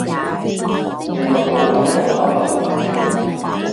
利物浦等咗三十年